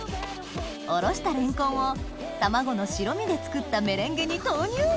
おろしたレンコンを卵の白身で作ったメレンゲに投入！